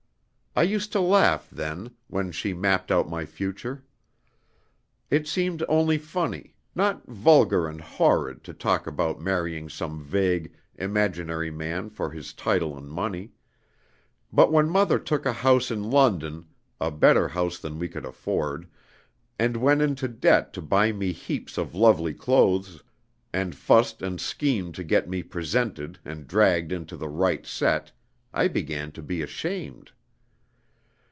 I used to laugh then, when she mapped out my future. It seemed only funny, not vulgar and horrid to talk about marrying some vague, imaginary man for his title and money; but when Mother took a house in London a better house than we could afford and went into debt to buy me heaps of lovely clothes, and fussed and schemed to get me presented and dragged into the 'right set,' I began to be ashamed.